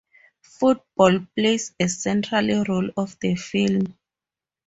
Football plays a central role of the film.